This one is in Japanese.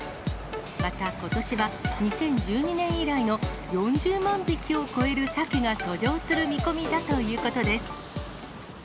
またことしは、２０１２年以来の４０万匹を超えるサケが遡上する見込みだということです。